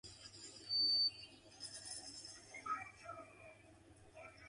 From Ocoee to Kissimmee, the railroad is abandoned, and some elements remain.